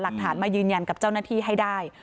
หลักฐานมายืนยันกับเจ้าหน้าที่ให้ได้